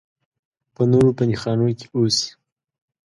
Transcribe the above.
په نورو بندیخانو کې اوسي.